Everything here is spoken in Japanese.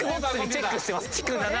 チェックしてます。